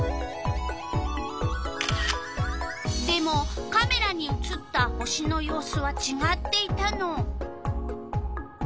でもカメラに写った星の様子はちがっていたの。